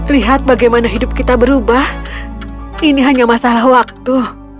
lihat bagaimana hidup kita berubah ini hanya masalah waktu